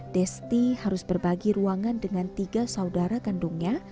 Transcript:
desti harus berbagi ruangan dengan tiga saudara kandungnya